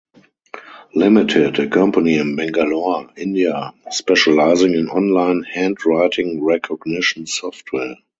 Limited, a company in Bangalore, India specializing in online handwriting recognition software.